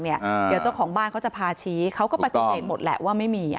เดี๋ยวเจ้าของบ้านเขาจะพาชี้เขาก็ปฏิเสธหมดแหละว่าไม่มี